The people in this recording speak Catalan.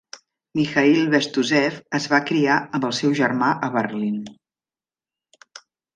Mikhail Bestuzhev es va criar amb el seu germà a Berlín.